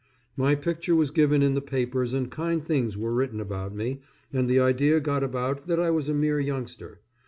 My picture was given in the papers and kind things were written about me, and the idea got about that I was a mere youngster.